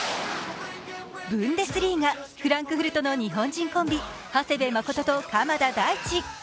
ブンデスリーガ・フランクフルトの日本人コンビ長谷部誠と鎌田大地。